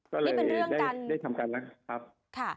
ก็เลยได้ทำการค่ะ